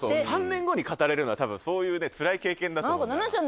３年後に語れるのは多分そういうねつらい経験だと思う。